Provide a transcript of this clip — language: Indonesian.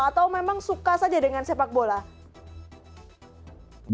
atau memang suka saja dengan sepak bola